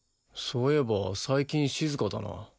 そういえば最近静かだな。